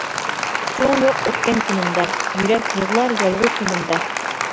ئۇچۇرۇڭ يوق ئۆتكەن كۈنۈمدە، يۈرەك يىغلار يالغۇز تۈنۈمدە.